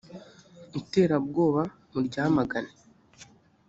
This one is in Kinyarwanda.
iterabwoba muryamagane .